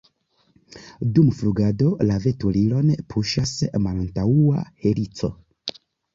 Dum flugado, la veturilon puŝas malantaŭa helico.